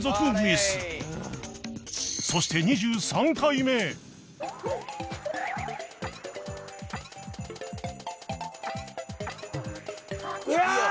そして２３回目うわ！